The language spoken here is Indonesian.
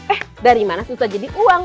eh dari mana susah jadi uang